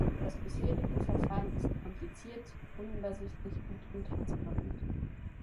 Das bisherige Verfahren ist kompliziert, unübersichtlich und intransparent.